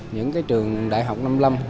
những trường đại học năm lâm